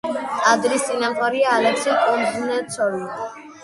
ტაძრის წინამძღვარია ალექსი კუზნეცოვი.